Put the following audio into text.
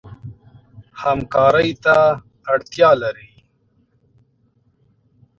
همکارۍ ته اړتیا لري.